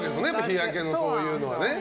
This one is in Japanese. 日焼けのそういうのはね。